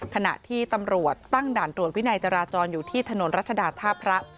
ขณะที่ตำรวจตั้งด่านตรวจวินัยจราจรอยู่ที่ถนนรัชดาท่าพระ